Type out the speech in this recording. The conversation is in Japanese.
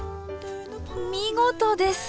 見事です。